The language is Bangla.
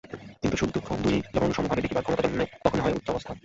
কিন্তু সুখ দুঃখ দুই-ই যখন সমভাবে দেখিবার ক্ষমতা জন্মে, তখনই হয় উচ্চ অবস্থা।